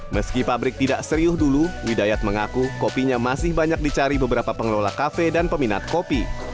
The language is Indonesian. meski pabrik tidak serius dulu widayat mengaku kopinya masih banyak dicari beberapa pengelola kafe dan peminat kopi